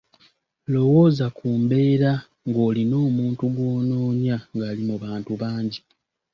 Lowooza ku mbeera ng’olina omuntu gw’onoonya ng’ali mu bantu bangi,